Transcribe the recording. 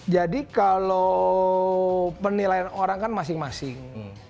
jadi kalau penilaian orang kan masing masing